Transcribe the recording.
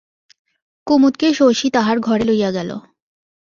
কুমুদকে শশী তাহার ঘরে লইয়া গেল।